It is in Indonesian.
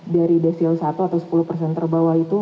dari desil satu atau sepuluh persen terbawah itu